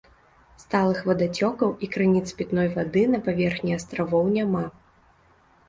Сталых вадацёкаў і крыніц пітной вады на паверхні астравоў няма.